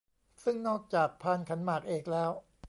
ซึ่งนอกจากพานขันหมากเอกแล้ว